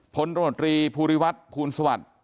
พนธรรมดรีภูริวัตคุณสวัสดิ์